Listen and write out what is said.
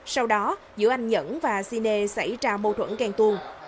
sau đó giữa anh nhẫn và sinea xảy ra mâu thuẫn khen tuôn